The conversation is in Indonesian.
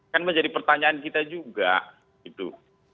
kan menjadi pertanyaan kita juga gitu